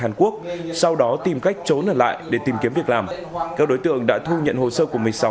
hàn quốc sau đó tìm cách trốn ở lại để tìm kiếm việc làm các đối tượng đã thu nhận hồ sơ của một mươi sáu